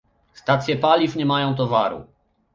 Stacje paliw nie mają towaru